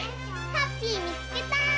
ハッピーみつけた！